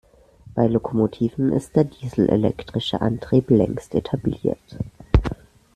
Bei Lokomotiven ist der dieselelektrische Antrieb längst etabliert.